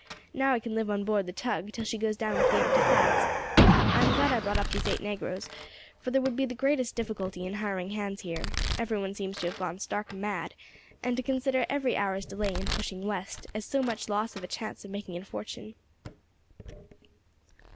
Now I can live on board the tug till she goes down with the empty flats. I am glad I brought up those eight negroes, for there would be the greatest difficulty in hiring hands here; every one seems to have gone stark mad, and to consider every hour's delay in pushing west as so much loss of a chance of making a fortune."